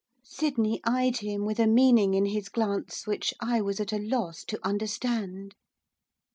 Sydney eyed him with a meaning in his glance which I was at a loss to understand.